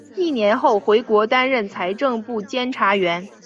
一年后回国担任财政部监察员。